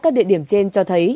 các địa điểm trên cho thấy